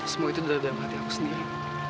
semua itu adalah dalam hati aku sendiri